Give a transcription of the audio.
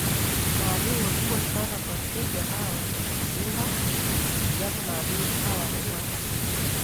Maadui wakubwa sana kwa twiga hawa ni simba na fisi japo maadui hawa huwa